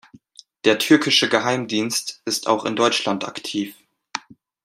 Der türkische Geheimdienst ist auch in Deutschland aktiv.